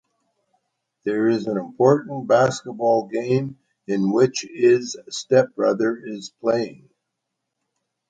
There is an important basketball game in which is stepbrother is playing.